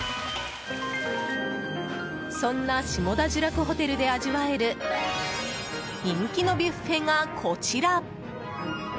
そんな下田じゅらくホテルで味わえる人気のビュッフェがこちら。